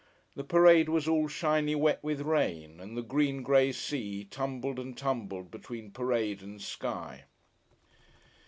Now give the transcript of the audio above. The parade was all shiny wet with rain, and the green grey sea tumbled and tumbled between parade and sky.